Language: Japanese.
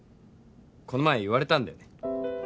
この前言われたんだよね